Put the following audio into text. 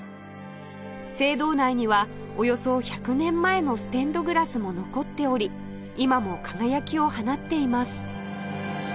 聖堂内にはおよそ１００年前のステンドグラスも残っており今も輝きを放っています